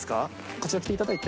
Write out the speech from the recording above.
こちら来ていただいて。